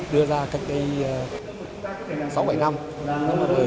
đưa ra cách đây sáu bảy năm